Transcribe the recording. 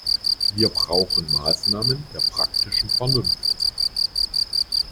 Wir brauchen Maßnahmen der praktischen Vernunft.